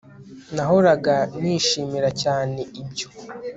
nahoraga nishimira cyane ibyo